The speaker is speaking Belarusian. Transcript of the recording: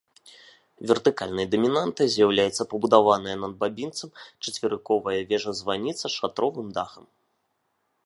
Вертыкальнай дамінантай з'яўляецца пабудаваная над бабінцам чацверыковая вежа-званіца з шатровым дахам.